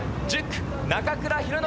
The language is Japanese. １０区中倉啓